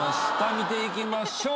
見ていきましょう。